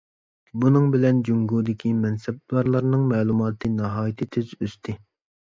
بۇنىڭ بىلەن جۇڭگودىكى مەنسەپدارلارنىڭ مەلۇماتى ناھايىتى تېز ئۆستى.